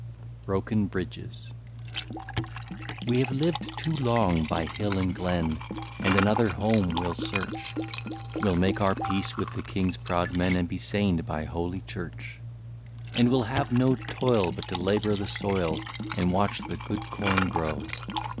'* 3 BROKEN BRIDGES. ' We have lived too long by hill and glen, And another home we '11 search ; We '11 make our peace with the King's proud men, And be sained by Holy Church. " And we '11 have no toil but to labour the soil, And watch the good corn grow.